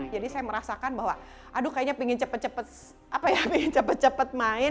jadi saya merasakan bahwa aduh kayaknya pengen cepet cepet main